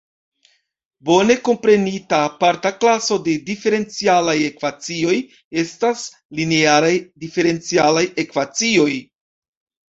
Bone komprenita aparta klaso de diferencialaj ekvacioj estas linearaj diferencialaj ekvacioj.